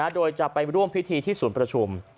โดยจะไปร่วมพิธีสุนประชุม